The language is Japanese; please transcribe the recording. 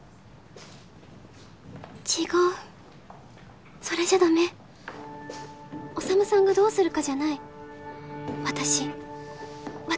違うそれじゃダメ宰さんがどうするかじゃない私